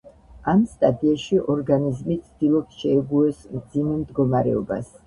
ამ სტადიაში ორგანიზმი ცდილობს შეეგუოს მძიმე მდგომარეობას.